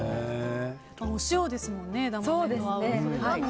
お塩ですもんね。